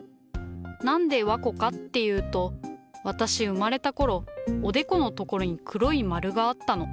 何でわこかっていうと私生まれた頃おでこの所に黒い丸があったの。